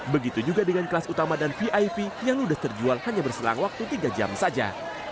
begitu juga dengan kelas utama dan vip yang ludes terjual hanya berselang waktu tiga jam saja